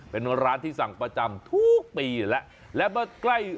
เป็นร้านที่สั่งประจำทุกปีแล้วและมาใกล้